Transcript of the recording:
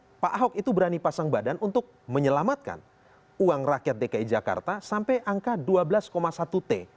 karena pak ahok itu berani pasang badan untuk menyelamatkan uang rakyat dki jakarta sampai angka dua belas satu t